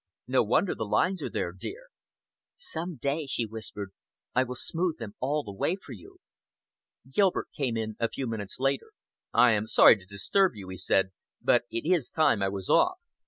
No wonder the lines are there, dear!" "Some day," she whispered, "I will smooth them all away for you! ..." Gilbert came in a few minutes later. "I am sorry to disturb you," he said, "but it is time I was off."